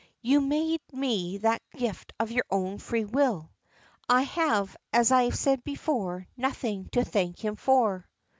You made me that gift of your own free will. I have, as I said before, nothing to thank him for."